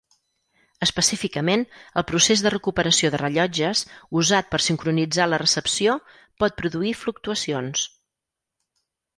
Específicament el procés de recuperació de rellotges usat per sincronitzar la recepció pot produir fluctuacions.